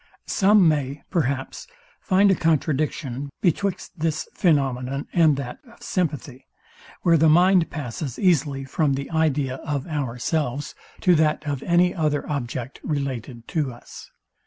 Some may, perhaps, find a contradiction betwixt this phænomenon and that of sympathy, where the mind passes easily from the idea of ourselves to that of any other object related to us.